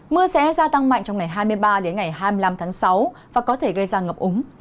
mưa sẽ gia tăng mạnh trong ngày hai mươi ba đến ngày hai mươi năm tháng sáu và có thể gây ra ngập úng